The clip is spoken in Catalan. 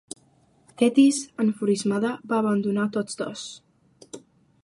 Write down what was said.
Tetis, enfurismada, va abandonar tots dos.